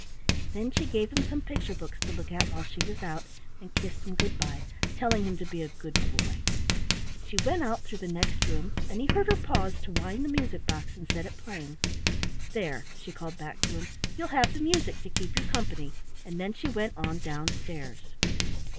Then she gave him some picture books to look at while she was out, and kissed him good bye, telling him to be a good boy. She went out through the next room, and he heard her pause to wind the music box and set it playing. "There," she called back to him, "you'll have the music to keep you company," and then she went on down stairs.